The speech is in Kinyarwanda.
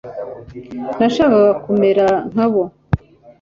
nashakaga kumera nka bo